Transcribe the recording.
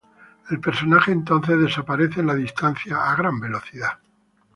El personaje entonces desaparece en la distancia a gran velocidad.